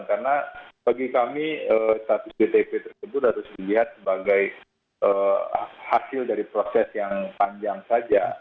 karena bagi kami status wtp tersebut harus dilihat sebagai hasil dari proses yang panjang saja